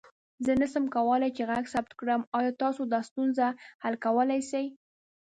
زه نسم کولى چې غږ ثبت کړم، آيا تاسو دا ستونزه حل کولى سې؟